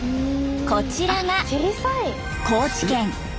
こちらが高知県鵜来島。